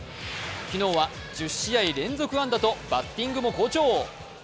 昨日は１０試合連続安打とバッティングも好調。